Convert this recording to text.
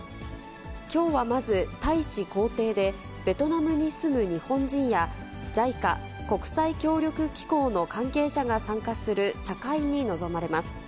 きょうはまず、大使公邸でベトナムに住む日本人や、ＪＩＣＡ・国際協力機構の関係者が参加する茶会に臨まれます。